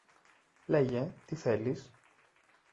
Λέγε, τι θέλεις;